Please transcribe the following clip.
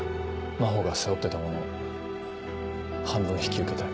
真帆が背負ってたものを半分引き受けたい。